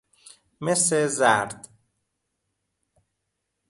مس زرد